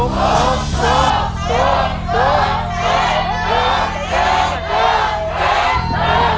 โฆษณ์โฆษณ์โฆษณ์